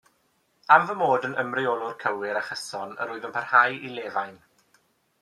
Am fy mod yn Ymreolwr cywir a chyson, yr wyf yn parhau i lefain.